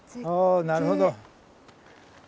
おなるほど。